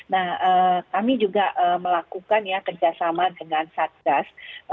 nah kami juga melakukan ya kerjasama dengan satgas